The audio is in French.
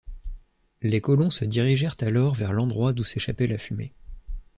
Les colons se dirigèrent alors vers l’endroit d’où s’échappait la fumée